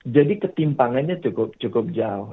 jadi ketimpangannya cukup jauh